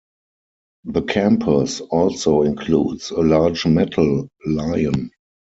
The campus also includes a large metal lion.